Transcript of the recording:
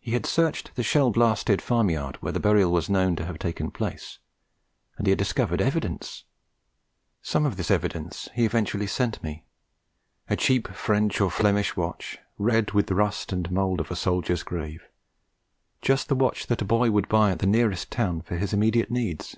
He had searched the shell blasted farm yard where the burial was known to have taken place, and he had discovered evidence. Some of this evidence he eventually sent me: a cheap French or Flemish watch, red with the rust and mould of a soldier's grave: just the watch that a boy would buy at the nearest town for his immediate needs.